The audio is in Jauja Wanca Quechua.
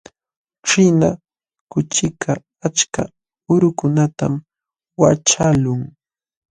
Ćhina kuchikaq achka urukunatam waćhaqlun.